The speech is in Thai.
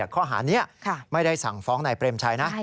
ข้อหานี้ไม่ได้สั่งฟ้องนายเปรมชัยนะ